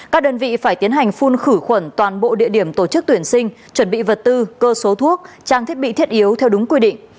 các đơn vị phải tiến hành phun khử khuẩn toàn bộ địa điểm tổ chức tuyển sinh chuẩn bị vật tư cơ số thuốc trang thiết bị thiết yếu theo đúng quy định